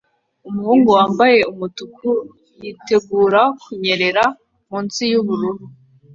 Umuhungu wambaye umutuku yitegura kunyerera munsi yubururu